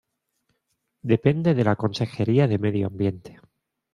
Depende de la Consejería de Medio Ambiente.